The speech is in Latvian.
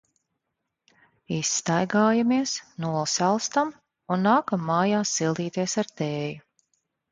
Izstaigājamies, nosalstam un nākam mājās sildīties ar tēju.